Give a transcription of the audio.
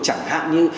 chẳng hạn như